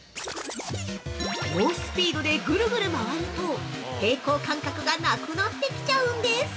猛スピードでぐるぐる回ると、平衡感覚がなくなってきちゃうんです。